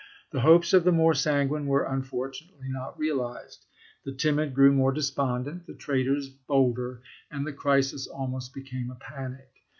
The hopes of the more sanguine were, unfortunately, not realized. The timid grew more despondent, the traitors bolder, and the crisis almost became a panic.